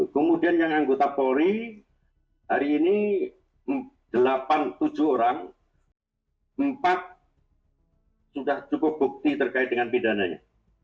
kemudian yang anggota polri hari ini delapan tujuh orang empat sudah cukup bukti terkait dengan pidananya